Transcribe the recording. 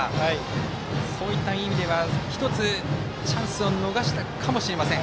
そういった意味ではチャンスを逃したかもしれません。